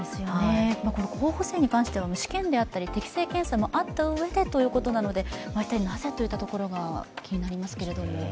この候補生に関しては試験であったり適性検査もあった中でということなので一体なぜといったところが気になりますけれども。